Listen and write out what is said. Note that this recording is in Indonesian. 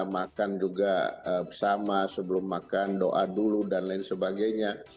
makan juga sama sebelum makan doa dulu dan lain sebagainya